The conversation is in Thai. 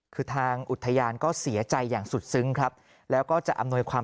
คือทางอุทยานก็เสียใจอย่างสุดซึ้งครับแล้วก็จะอำนวยความ